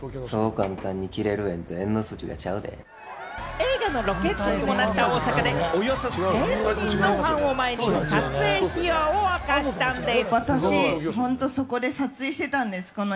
映画のロケ地にもなった大阪でおよそ１０００人のファンを前に撮影秘話を明かしたんでぃす。